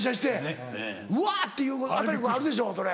うわ！っていうこと中君あるでしょそれ。